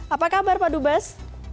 apa kabar pak dubas